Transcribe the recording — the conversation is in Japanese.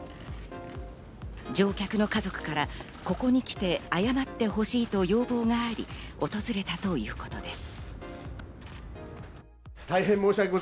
乗客の家族から、ここにきて、謝ってほしいと要望があり、訪れたということです。